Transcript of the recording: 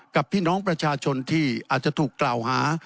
กับพี่น้องประชาชนที่อาจจะถูกกล่าวหา